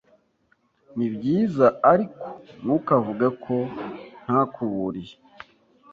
Nibyiza, ariko ntukavuge ko ntakuburiye.